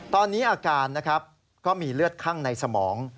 ตอนนี้อาการนะครับก็มีเลือดคั่งในสมอง